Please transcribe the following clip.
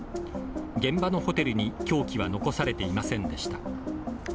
現場のホテルに凶器は残されていませんでした